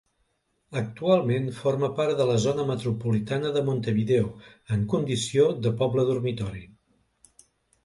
Actualment forma part de la zona metropolitana de Montevideo en condició de poble dormitori.